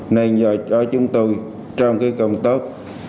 nên do chúng tôi trong cái công tốc